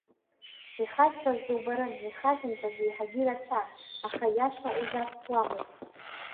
Ихазҵаз дубарын, ихазымҵаз еиҳагьы ирацәан, аха аиаша узавсуамызт.